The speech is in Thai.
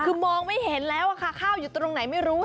คือมองไม่เห็นแล้วค่ะข้าวอยู่ตรงไหนไม่รู้